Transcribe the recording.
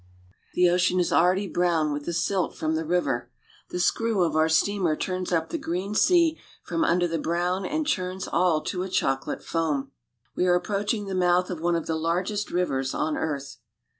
The ocean is already brown with the silt from the river. The screw of our steamer turns up the green sea from under the brown and churns all to a chocolate foam. We are approaching the mouth of one of the largest rivers on earth.